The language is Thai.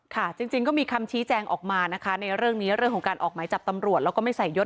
จริงก็มีคำชี้แจงออกมานะคะในเรื่องนี้เรื่องของการออกหมายจับตำรวจแล้วก็ไม่ใส่ยศ